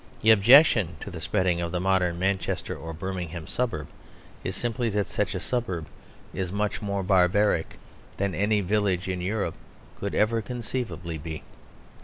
The objection to the spreading of the modern Manchester or Birmingham suburb is simply that such a suburb is much more barbaric than any village in Europe could ever conceivably be.